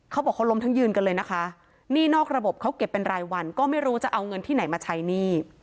เขาบอกเขาล้มทั้งยืนกันเลยนะคะหนี้นอกระบบเขาเก็บเป็นรายวันก็ไม่รู้จะเอาเงินที่ไหนมาใช้หนี้